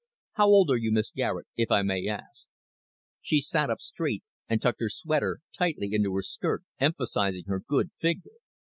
"How old are you, Miss Garet, if I may ask?" She sat up straight and tucked her sweater tightly into her skirt, emphasizing her good figure.